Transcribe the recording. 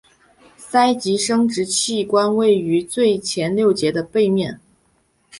鳃及生殖器官位于最前六节的背片。